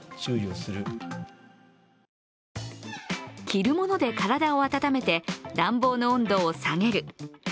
着るもので体を暖めて暖房の温度を下げる。